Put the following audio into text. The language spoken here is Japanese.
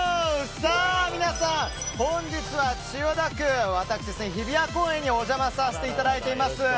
皆さん、本日は千代田区の日比谷公園にお邪魔させていただいています。